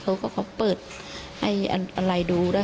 เขาก็เปิดให้อะไรดูด้วย